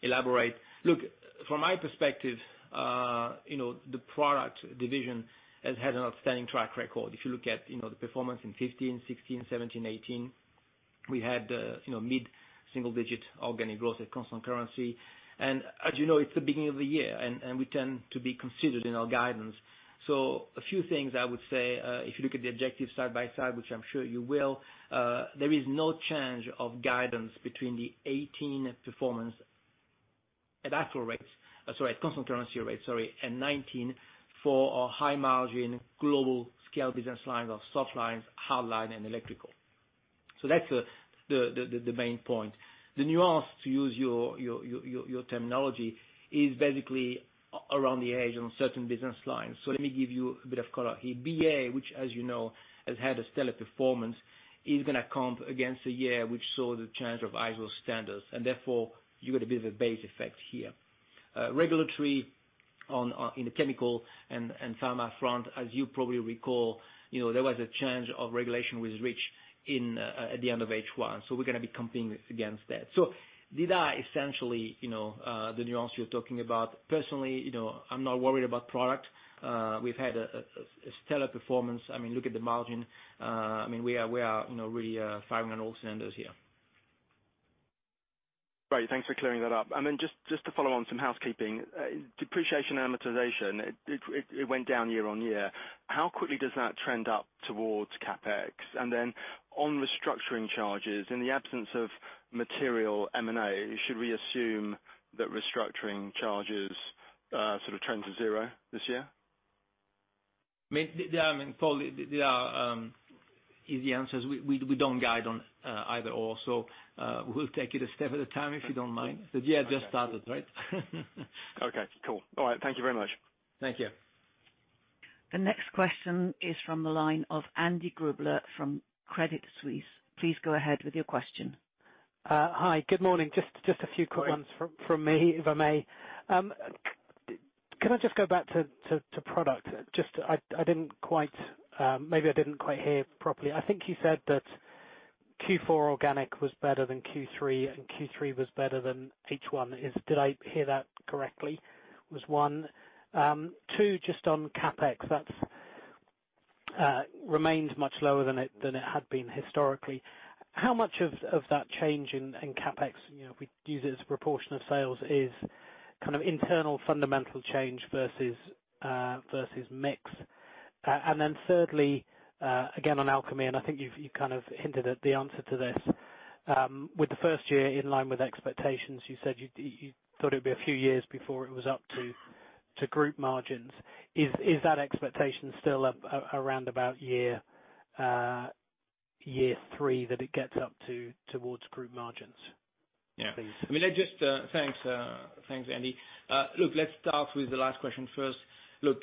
Speaker 1: elaborate. Look, from my perspective, the product division has had an outstanding track record. If you look at the performance in 2015, 2016, 2017, 2018, we had mid-single digit organic growth at constant currency. As you know, it's the beginning of the year, and we tend to be considered in our guidance. A few things I would say, if you look at the objective side by side, which I'm sure you will, there is no change of guidance between the 2018 performance at actual rates. Sorry. At constant currency rates. Sorry. And 2019 for our high margin global scale business lines of soft lines, hardline, and electrical. That's the main point. The nuance, to use your terminology, is basically around the edge on certain business lines. Let me give you a bit of color here. BA, which as you know, has had a stellar performance, is going to comp against a year which saw the change of ISO standards, and therefore you get a bit of a base effect here. Regulatory in the chemical and pharma front, as you probably recall, there was a change of regulation with REACH at the end of H1. We're going to be competing against that. These are essentially the nuance you're talking about. Personally, I'm not worried about product. We've had a stellar performance. Look at the margin. We are really firing on all cylinders here.
Speaker 6: Great. Thanks for clearing that up. Just to follow on some housekeeping. Depreciation amortization, it went down year-on-year. How quickly does that trend up towards CapEx? On restructuring charges, in the absence of material M&A, should we assume that restructuring charges sort of trend to zero this year?
Speaker 1: Paul, they are easy answers. We don't guide on either/or, we'll take it a step at a time, if you don't mind. The year just started, right?
Speaker 6: Okay. Cool. All right. Thank you very much.
Speaker 1: Thank you.
Speaker 3: The next question is from the line of Andy Grubler from Credit Suisse. Please go ahead with your question.
Speaker 9: Hi. Good morning. Just a few quick ones from me, if I may. Can I just go back to product? Maybe I didn't quite hear properly. I think you said that Q4 organic was better than Q3, and Q3 was better than H1. Did I hear that correctly? Was 1. 2, just on CapEx remains much lower than it had been historically. How much of that change in CapEx, if we use it as a proportion of sales, is kind of internal fundamental change versus mix? Then thirdly, again, on Alchemy, and I think you've kind of hinted at the answer to this. With the first year in line with expectations, you said you thought it'd be a few years before it was up to group margins. Is that expectation still around about year 3 that it gets up towards group margins, please?
Speaker 1: Yeah. Thanks, Andy. Look, let's start with the last question first. Look,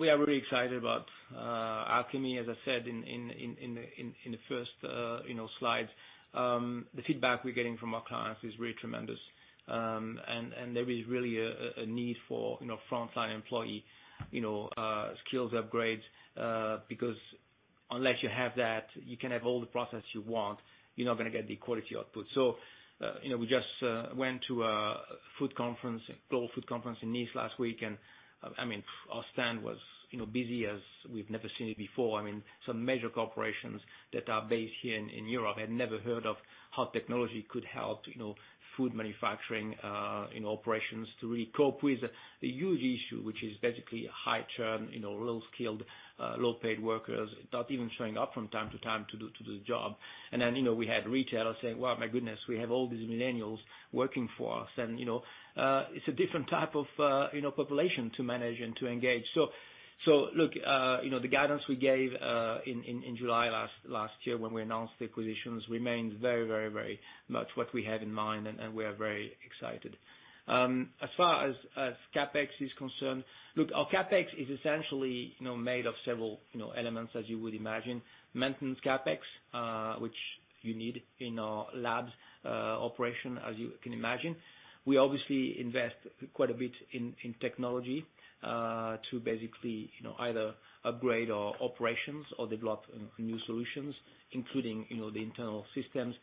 Speaker 1: we are really excited about Alchemy, as I said in the first slide. The feedback we're getting from our clients is really tremendous. There is really a need for front-line employee skills upgrades, because unless you have that, you can have all the process you want, you're not going to get the quality output. We just went to a global food conference in Nice last week, and our stand was busy as we've never seen it before. Some major corporations that are based here in Europe had never heard of how technology could help food manufacturing operations to really cope with the huge issue, which is basically high churn, low skilled, low paid workers, not even showing up from time to time to do the job. We had retailers saying, "Wow, my goodness, we have all these millennials working for us." It's a different type of population to manage and to engage. The guidance we gave in July last year when we announced the acquisitions remains very much what we have in mind, and we are very excited. As far as CapEx is concerned, look, our CapEx is essentially made of several elements, as you would imagine. Maintenance CapEx, which you need in our labs operation, as you can imagine. We obviously invest quite a bit in technology to basically either upgrade our operations or develop new solutions, including the internal systems.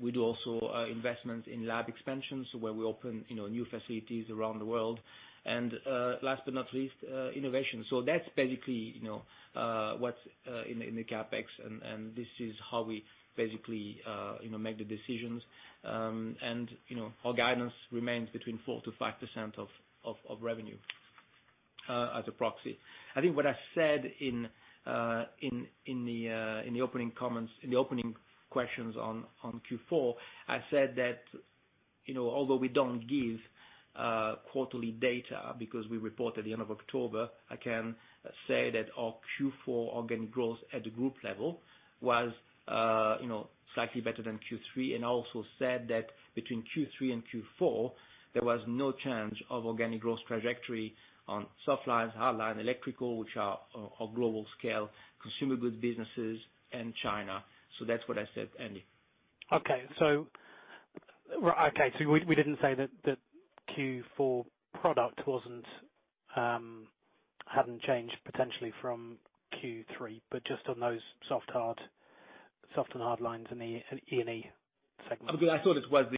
Speaker 1: We do also investments in lab expansions where we open new facilities around the world. Last but not least, innovation. That's basically what's in the CapEx, and this is how we basically make the decisions. Our guidance remains between 4%-5% of revenue as a proxy. I think what I said in the opening questions on Q4, I said that although we don't give quarterly data because we report at the end of October, I can say that our Q4 organic growth at the group level was slightly better than Q3. I also said that between Q3 and Q4, there was no change of organic growth trajectory on soft lines, hard line electrical, which are our global scale consumer goods businesses in China. That's what I said, Andy.
Speaker 9: Okay. We didn't say that Q4 product hadn't changed potentially from Q3, but just on those soft and hard lines in the E&E segment.
Speaker 1: I thought that was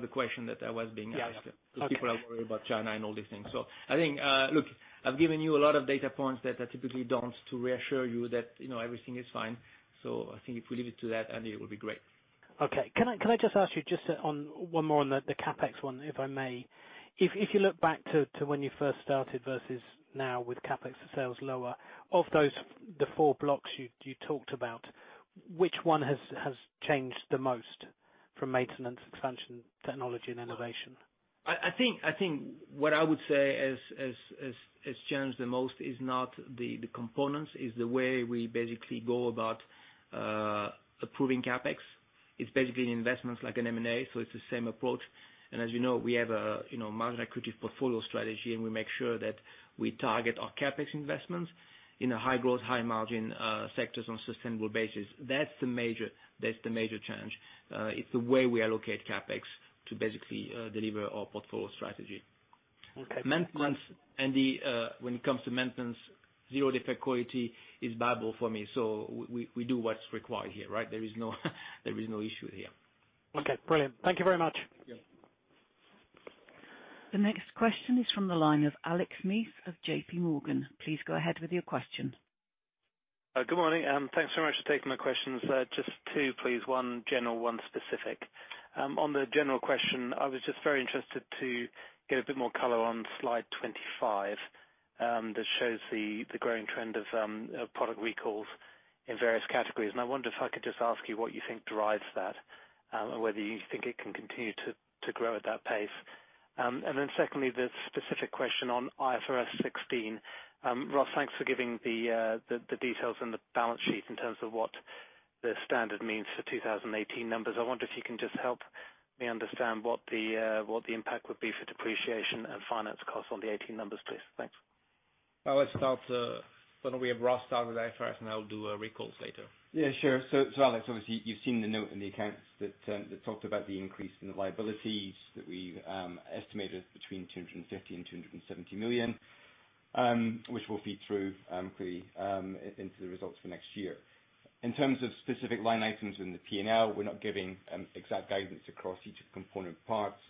Speaker 1: the question that I was being asked.
Speaker 9: Yeah.
Speaker 1: People are worried about China and all these things. I think, look, I've given you a lot of data points that I typically don't to reassure you that everything is fine. I think if we leave it to that, Andy, it would be great.
Speaker 9: Okay. Can I just ask you one more on the CapEx one, if I may? If you look back to when you first started versus now with CapEx for sales lower, of the four blocks you talked about, which one has changed the most from maintenance, expansion, technology, and innovation?
Speaker 1: I think what I would say has changed the most is not the components. It's the way we basically go about approving CapEx. It's basically an investment like an M&A. It's the same approach. As you know, we have a margin accretive portfolio strategy, and we make sure that we target our CapEx investments in the high growth, high margin sectors on a sustainable basis. That's the major change. It's the way we allocate CapEx to basically deliver our portfolio strategy.
Speaker 9: Okay.
Speaker 1: Maintenance, Andy, when it comes to maintenance, zero defect quality is Bible for me. We do what's required here, right? There is no issue here.
Speaker 9: Okay, brilliant. Thank you very much.
Speaker 1: Yeah.
Speaker 3: The next question is from the line of Alex Mead of JPMorgan. Please go ahead with your question.
Speaker 10: Good morning. Thanks very much for taking my questions. Just two, please, one general, one specific. On the general question, I was just very interested to get a bit more color on slide 25, that shows the growing trend of product recalls in various categories. I wonder if I could just ask you what you think drives that, or whether you think it can continue to grow at that pace. Then secondly, the specific question on IFRS 16. Ross, thanks for giving the details on the balance sheet in terms of what the standard means for 2018 numbers. I wonder if you can just help me understand what the impact would be for depreciation and finance costs on the 2018 numbers, please. Thanks.
Speaker 1: I will start. Why don't we have Ross start with IFRS, and I'll do recalls later.
Speaker 2: Alex, obviously, you've seen the note in the accounts that talked about the increase in the liabilities that we've estimated between 250 million and 270 million, which will feed through prettyInto the results for next year. In terms of specific line items in the P&L, we're not giving exact guidance across each of the component parts.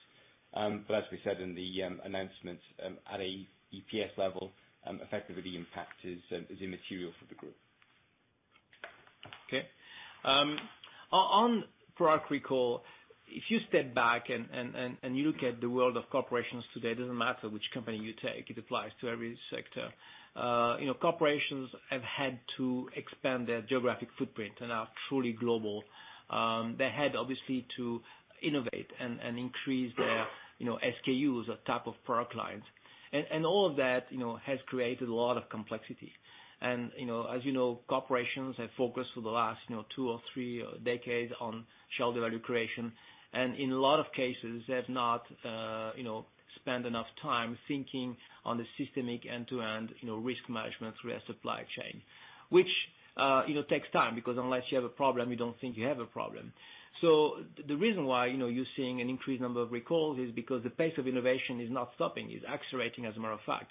Speaker 2: But as we said in the announcement, at an EPS level, effectively impact is immaterial for the group.
Speaker 1: Okay. On product recall, if you step back and you look at the world of corporations today, it doesn't matter which company you take, it applies to every sector. Corporations have had to expand their geographic footprint and are truly global. They had obviously to innovate and increase their SKUs or type of product lines. All of that has created a lot of complexity. As you know, corporations have focused for the last two or three decades on shareholder value creation, and in a lot of cases, they've not spent enough time thinking on the systemic end-to-end risk management through a supply chain, which takes time, because unless you have a problem, you don't think you have a problem. The reason why you're seeing an increased number of recalls is because the pace of innovation is not stopping. It's accelerating, as a matter of fact.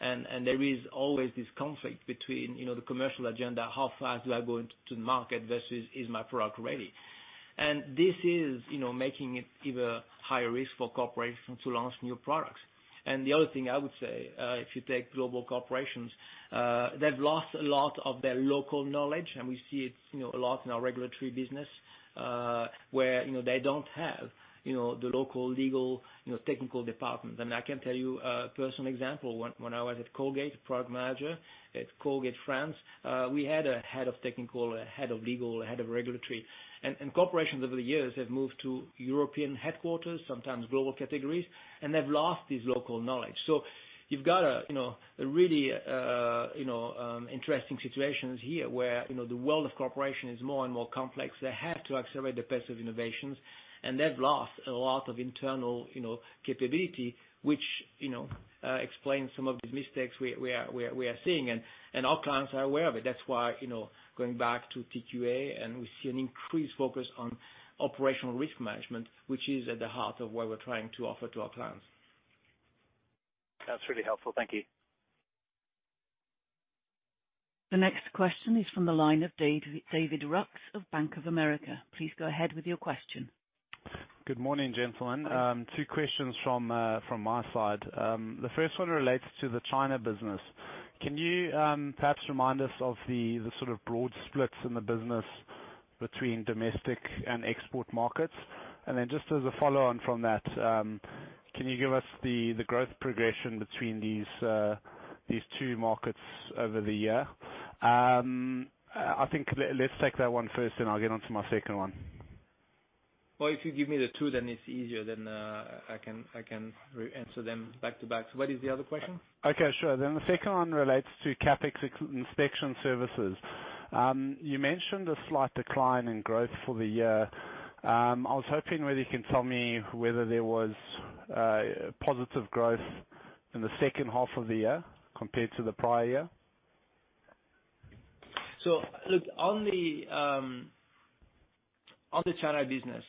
Speaker 1: There is always this conflict between the commercial agenda, how fast do I go to market versus is my product ready? This is making it even higher risk for corporations to launch new products. The other thing I would say, if you take global corporations, they've lost a lot of their local knowledge, and we see it a lot in our regulatory business, where they don't have the local legal, technical departments. I can tell you a personal example. When I was at Colgate-Palmolive, product manager at Colgate-Palmolive, France, we had a head of technical, a head of legal, a head of regulatory. Corporations over the years have moved to European headquarters, sometimes global categories, and they've lost this local knowledge. You've got a really interesting situation here where the world of corporation is more and more complex. They have to accelerate the pace of innovations, they've lost a lot of internal capability, which explains some of the mistakes we are seeing, our clients are aware of it. That's why going back to TQA, we see an increased focus on operational risk management, which is at the heart of what we're trying to offer to our clients.
Speaker 10: That's really helpful. Thank you.
Speaker 3: The next question is from the line of David Ryan of Bank of America. Please go ahead with your question.
Speaker 11: Good morning, gentlemen. Two questions from my side. The first one relates to the China business. Can you perhaps remind us of the sort of broad splits in the business between domestic and export markets? Just as a follow-on from that, can you give us the growth progression between these two markets over the year? I think let's take that one first, and I'll get onto my second one.
Speaker 1: Well, if you give me the two, then it's easier. I can answer them back to back. What is the other question?
Speaker 11: Okay, sure. The second one relates to CapEx inspection services. You mentioned a slight decline in growth for the year. I was hoping whether you can tell me whether there was positive growth in the second half of the year compared to the prior year.
Speaker 1: Look, on the China business,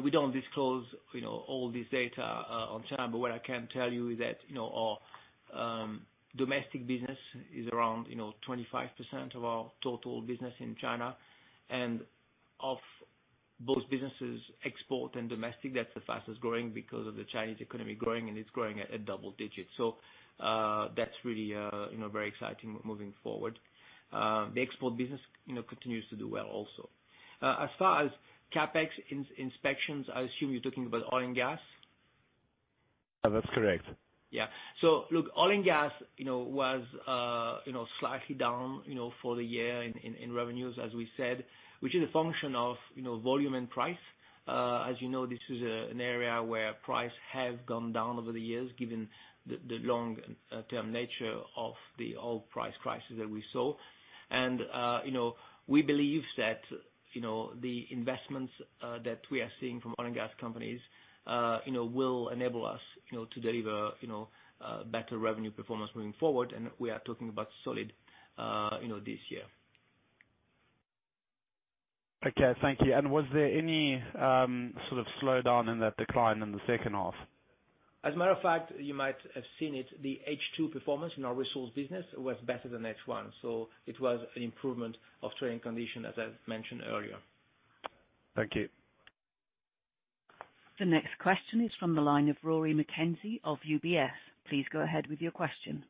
Speaker 1: we don't disclose all this data on China, but what I can tell you is that our domestic business is around 25% of our total business in China. Of those businesses, export and domestic, that's the fastest-growing because of the Chinese economy growing, and it's growing at double digits. That's really very exciting moving forward. The export business continues to do well also. As far as CapEx inspections, I assume you're talking about oil and gas.
Speaker 11: That's correct.
Speaker 1: Yeah. Look, oil and gas was slightly down for the year in revenues, as we said, which is a function of volume and price. As you know, this is an area where price has gone down over the years given the long-term nature of the oil price crisis that we saw. We believe that the investments that we are seeing from oil and gas companies will enable us to deliver better revenue performance moving forward. We are talking about solid this year.
Speaker 11: Okay. Thank you. Was there any sort of slowdown in that decline in the second half?
Speaker 1: As a matter of fact, you might have seen it, the H2 performance in our resource business was better than H1, so it was an improvement of trading condition, as I mentioned earlier.
Speaker 11: Thank you.
Speaker 3: The next question is from the line of Rory McKenzie of UBS. Please go ahead with your question.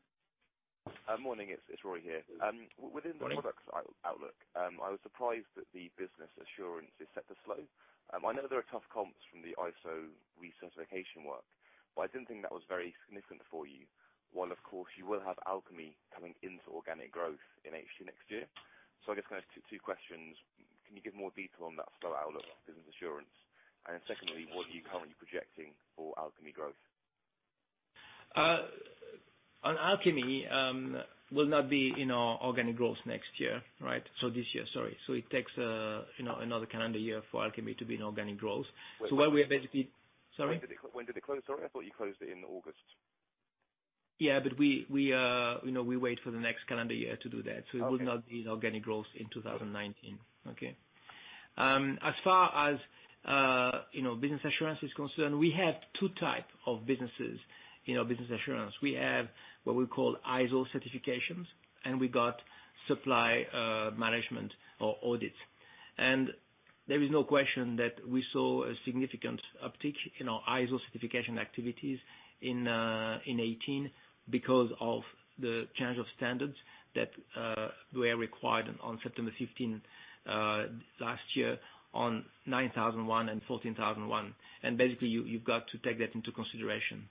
Speaker 12: Morning. It's Rory here.
Speaker 1: Morning.
Speaker 12: Within the products outlook, I was surprised that the business assurance is set to slow. I know there are tough comps from the ISO recertification work, but I didn't think that was very significant for you, while of course you will have Alchemy coming into organic growth in H2 next year. I guess can I ask two questions: Can you give more detail on that slow outlook business assurance? Secondly, what are you currently projecting for Alchemy growth?
Speaker 1: On Alchemy, will not be in our organic growth next year, right? This year, sorry. It takes another calendar year for Alchemy to be in organic growth. What we are basically Sorry?
Speaker 12: When did it close? Sorry. I thought you closed it in August.
Speaker 1: Yeah, we wait for the next calendar year to do that.
Speaker 12: Okay.
Speaker 1: It will not be in organic growth in 2019. Okay. As far as Business Assurance is concerned, we have two types of businesses in our Business Assurance. We have what we call ISO certifications, and we got supply management or audits. There is no question that we saw a significant uptick in our ISO certification activities in 2018 because of the change of standards that were required on September 15 last year on 9001 and 14001. Basically, you've got to take that into consideration.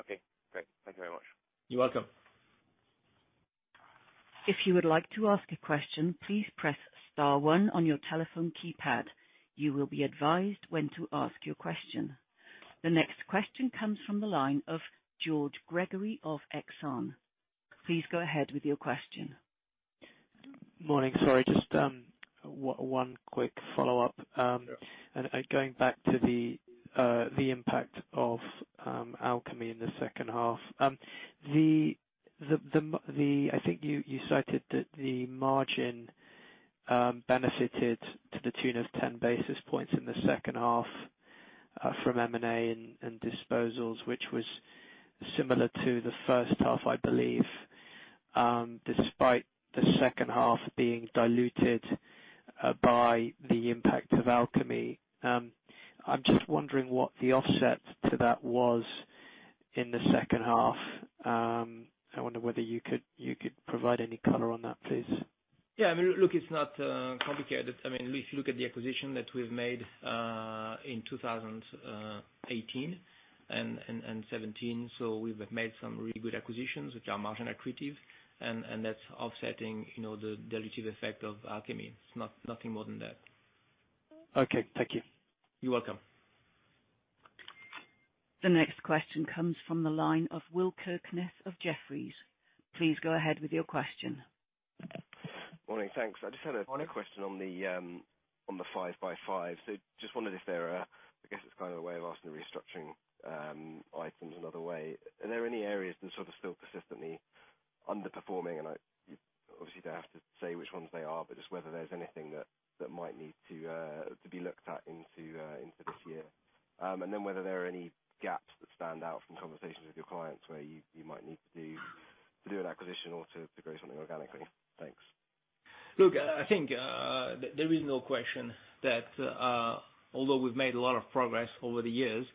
Speaker 12: Okay, great. Thank you very much.
Speaker 1: You're welcome.
Speaker 3: If you would like to ask a question, please press Star 1 on your telephone keypad. You will be advised when to ask your question. The next question comes from the line of George Gregory of Exane. Please go ahead with your question.
Speaker 8: Morning. Sorry, just one quick follow-up.
Speaker 1: Sure.
Speaker 8: Going back to the impact of Alchemy in the second half. I think you cited that the margin benefited to the tune of 10 basis points in the second half from M&A and disposals, which was similar to the first half, I believe, despite the second half being diluted by the impact of Alchemy. I am just wondering what the offset to that was in the second half. I wonder whether you could provide any color on that, please.
Speaker 1: Yeah. Look, it is not complicated. If you look at the acquisition that we have made in 2018 and 2017. So we have made some really good acquisitions, which are margin accretive, and that is offsetting the dilutive effect of Alchemy. It is nothing more than that.
Speaker 8: Okay. Thank you.
Speaker 1: You're welcome.
Speaker 3: The next question comes from the line of Will Kirkness of Jefferies. Please go ahead with your question.
Speaker 13: Morning. Thanks.
Speaker 1: Morning
Speaker 13: question on the 5x5. Just wondered if there are I guess it's kind of a way of asking the restructuring items another way. Are there any areas that sort of still persistently underperforming? Obviously, you don't have to say which ones they are, but just whether there's anything that might need to be looked at into this year. Whether there are any gaps that stand out from conversations with your clients where you might need to do an acquisition or to grow something organically. Thanks.
Speaker 1: Look, I think there is no question that although we've made a lot of progress over the years,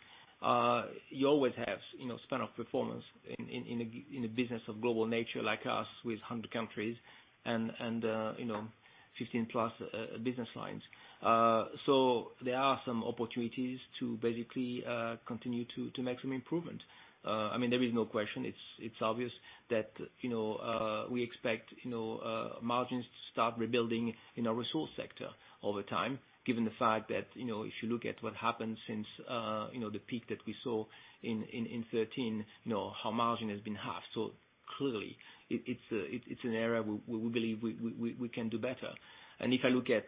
Speaker 1: you always have span of performance in a business of global nature like us with 100 countries and 15 plus business lines. There are some opportunities to basically continue to make some improvement. There is no question. It's obvious that we expect margins to start rebuilding in our resource sector over time, given the fact that if you look at what happened since the peak that we saw in 2013, how margin has been halved. Clearly, it's an area where we believe we can do better. If I look at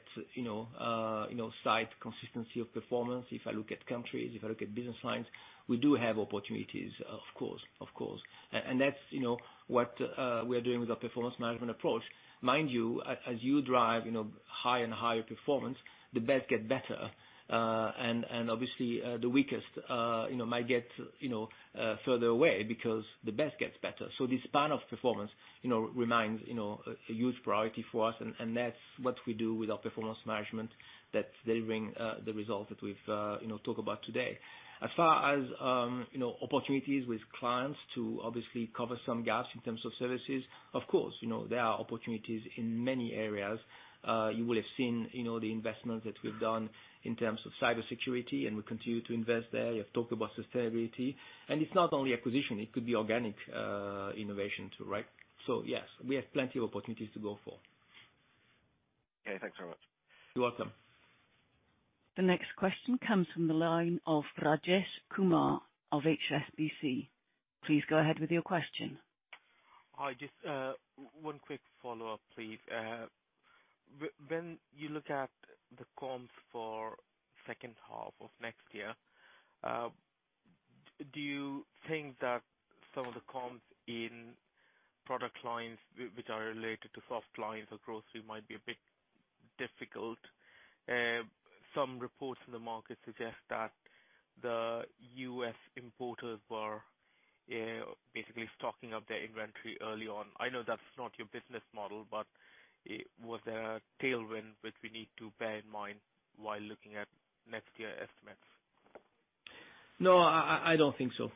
Speaker 1: site consistency of performance, if I look at countries, if I look at business lines, we do have opportunities, of course. That's what we are doing with our performance management approach. Mind you, as you drive higher and higher performance, the best get better. Obviously, the weakest might get further away because the best gets better. This span of performance remains a huge priority for us, that's what we do with our performance management that's delivering the results that we've talked about today. As far as opportunities with clients to obviously cover some gaps in terms of services, of course, there are opportunities in many areas. You will have seen the investments that we've done in terms of cybersecurity, we continue to invest there. You have talked about sustainability. It's not only acquisition, it could be organic innovation too, right? Yes, we have plenty of opportunities to go for.
Speaker 13: Okay, thanks very much.
Speaker 1: You're welcome.
Speaker 3: The next question comes from the line of Rajesh Kumar of HSBC. Please go ahead with your question.
Speaker 7: Hi, just one quick follow-up, please. When you look at the comps for second half of next year, do you think that some of the comps in product lines which are related to soft lines or grocery might be a bit difficult? Some reports in the market suggest that the U.S. importers were basically stocking up their inventory early on. I know that's not your business model, but was there a tailwind which we need to bear in mind while looking at next year estimates?
Speaker 1: No, I don't think so.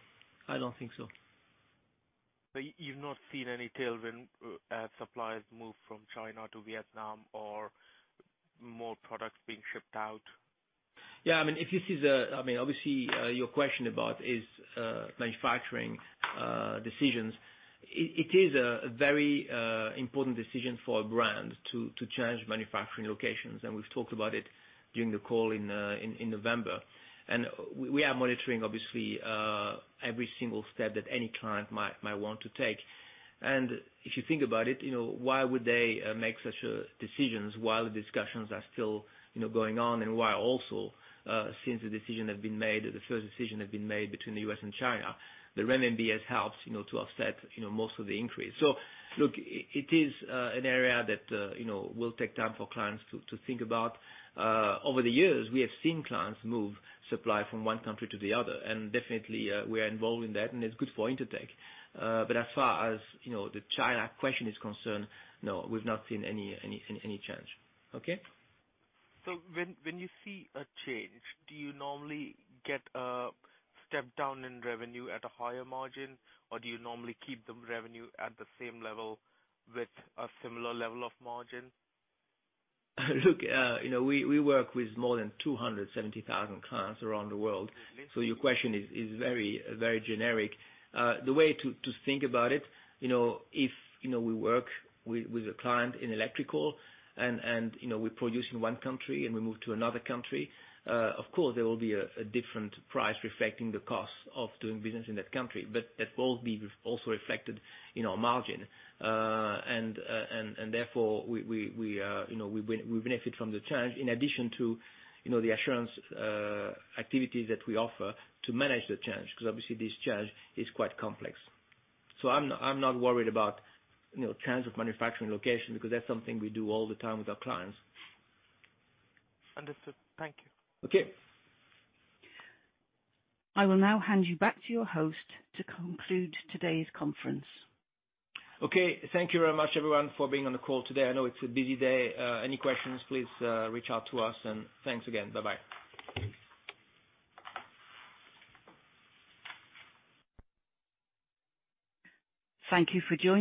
Speaker 7: You've not seen any tailwind as suppliers move from China to Vietnam or more products being shipped out?
Speaker 1: Your question about is manufacturing decisions. It is a very important decision for a brand to change manufacturing locations, and we've talked about it during the call in November. We are monitoring, obviously, every single step that any client might want to take. If you think about it, why would they make such decisions while the discussions are still going on, and why also, since the decision has been made, or the first decision has been made between the U.S. and China? The renminbi has helped to offset most of the increase. It is an area that will take time for clients to think about. Over the years, we have seen clients move supply from one country to the other, and definitely, we are involved in that, and it's good for Intertek. As far as the China question is concerned, no, we've not seen any change. Okay?
Speaker 7: When you see a change, do you normally get a step down in revenue at a higher margin, or do you normally keep the revenue at the same level with a similar level of margin?
Speaker 1: We work with more than 270,000 clients around the world. Your question is very generic. The way to think about it, if we work with a client in electrical and we produce in one country and we move to another country, of course there will be a different price reflecting the cost of doing business in that country. That will be also reflected in our margin, and therefore, we benefit from the change in addition to the assurance activities that we offer to manage the change, because obviously this change is quite complex. I'm not worried about change of manufacturing location because that's something we do all the time with our clients.
Speaker 7: Understood. Thank you.
Speaker 1: Okay.
Speaker 3: I will now hand you back to your host to conclude today's conference.
Speaker 1: Thank you very much, everyone, for being on the call today. I know it's a busy day. Any questions, please reach out to us. Thanks again. Bye-bye.
Speaker 3: Thank you for joining